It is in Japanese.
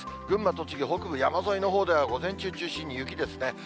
群馬、栃木、北部山沿いのほうでは、午前中を中心に雪ですね。